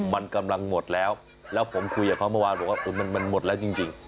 มันกำลังหมดแล้วแล้วผมคุยกับเขาเมื่อวานบอกว่ามันหมดแล้วจริง